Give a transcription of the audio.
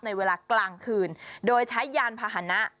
ในเวลากลางคืนโดยใช้ยานพาหนะ